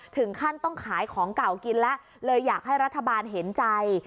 ถึงขั้นต้องขายของเก่ากินแล้วเลยอยากให้รัฐบาลเห็นใจ